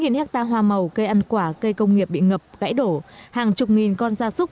gần bốn hectare hoa màu cây ăn quả cây công nghiệp bị ngập gãy đổ hàng chục nghìn con gia súc